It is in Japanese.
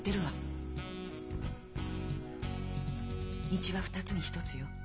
道は二つに一つよ。